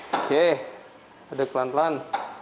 oke aduk pelan pelan